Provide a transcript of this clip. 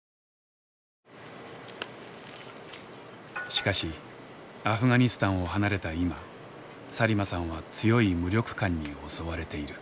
しかしアフガニスタンを離れた今サリマさんは強い無力感に襲われている。